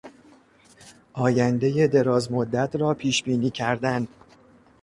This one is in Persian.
آیندهی دراز مدت را پیشبینی کردن